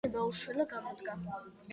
ქორწინება უშვილო გამოდგა.